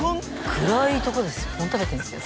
暗いとこでスッポン食べてんすよ？